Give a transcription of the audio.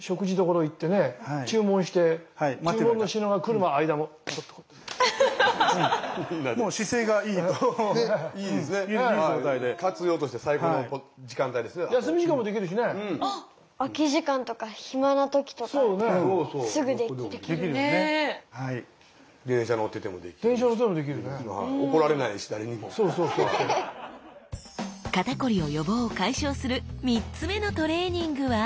肩こりを予防・解消する３つ目のトレーニングは？